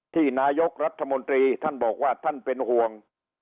ที่นายกรัฐมนตรีท่านบอกว่าท่านเป็นห่วง